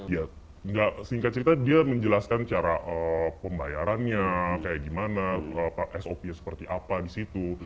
ya singkat cerita dia menjelaskan cara pembayarannya kayak gimana sop nya seperti apa di situ